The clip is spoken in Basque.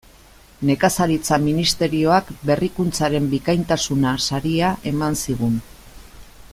Nekazaritza Ministerioak Berrikuntzaren bikaintasuna saria eman zigun.